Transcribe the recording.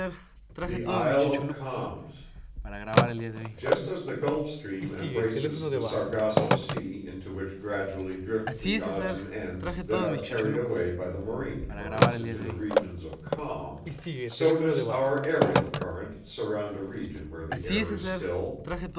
_ THE ISLE OF CALMS "_Just as the Gulf Stream embraces the Sargasso Sea into which gradually drift the odds and ends that are carried away by the marine currents into the regions of calm, so does our aerial current surround a region where the air is still.